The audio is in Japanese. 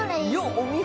お見事！